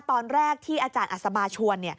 ตอนแรกที่อาจารย์อัศมาชวน